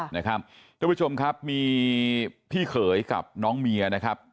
นะครับทุกผู้ชมครับมีพี่เขยกับน้องเมียนะครับ